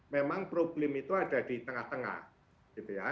memang problem itu ada di tengah tengah gitu ya